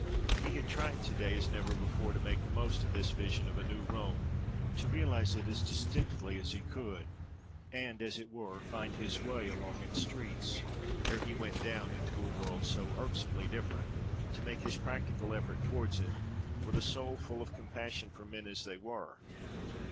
He had tried to day, as never before, to make the most of this vision of a New Rome, to realise it as distinctly as he could,—and, as it were, find his way along its streets, ere he went down into a world so irksomely different, to make his practical effort towards it, with a soul full of compassion for men as they were.